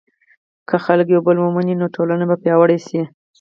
که خلک یو بل ومني، نو ټولنه به پیاوړې شي.